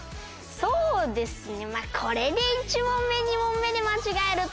そうですね。